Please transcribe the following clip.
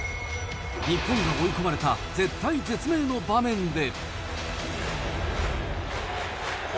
日本が追い込まれた絶体絶命の場面で。